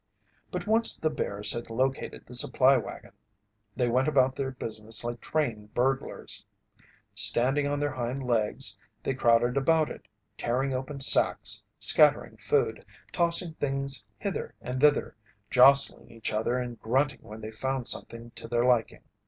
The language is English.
But once the bears had located the supply wagon, they went about their business like trained burglars. Standing on their hind legs, they crowded about it, tearing open sacks, scattering food, tossing things hither and thither, jostling each other and grunting when they found something to their liking.